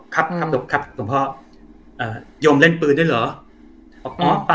ขอบคุณครับตัวพ่อโยมเล่นปืนด้วยเหรอ